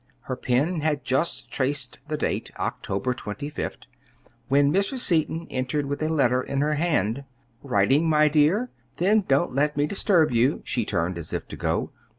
Her pen had just traced the date, "October twenty fifth," when Mrs. Stetson entered with a letter in her hand. "Writing, my dear? Then don't let me disturb you." She turned as if to go.